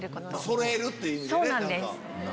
そろえるっていう意味で。